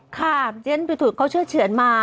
ค่ะเจ๊นไปถูกเขาเชื่อเฉือนมา